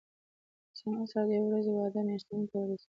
زما سره د یوې ورځې وعده میاشتې ته ورسېده.